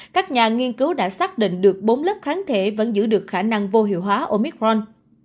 các nhà nghiên cứu đã xác định được bốn lớp kháng thể vẫn giữ được khả năng vô hiệu hóa oicron